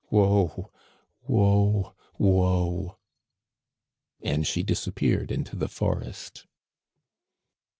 Woe ! Woe ! Woe !" And she disappeared into the forest.